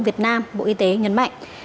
việt nam bộ y tế nhấn mạnh